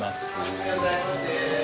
おはようございます。